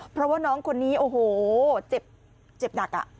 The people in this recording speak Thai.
เพราะว่าน้องคนนี้โอ้โหเจ็บหนัก